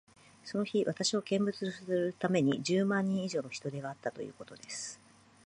その日、私を見物するために、十万人以上の人出があったということです。